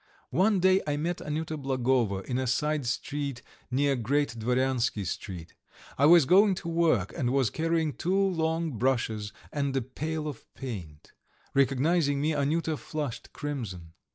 One day I met Anyuta Blagovo in a side street near Great Dvoryansky Street. I was going to work, and was carrying two long brushes and a pail of paint. Recognizing me Anyuta flushed crimson.